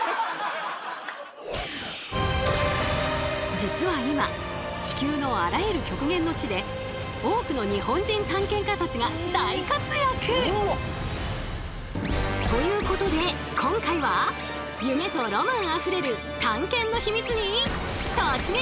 実は今地球のあらゆる極限の地で多くの日本人探検家たちが大活躍！ということで今回は夢とロマンあふれる探検のヒミツに突撃！